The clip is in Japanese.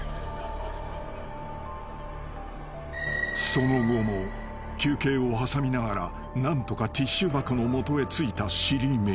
［その後も休憩を挟みながら何とかティッシュ箱の元へ着いた尻目］